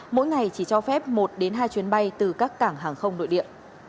mỗi ngày chỉ cho phép một đến hai chuyến bay từ các cảng hàng không nội địa